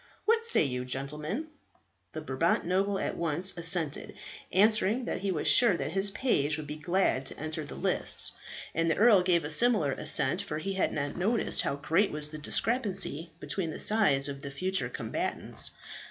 What say you, gentlemen?" The Brabant noble at once assented, answering that he was sure that his page would be glad to enter the lists; and the earl gave a similar assent, for he had not noticed how great was the discrepancy between the size of the future combatants.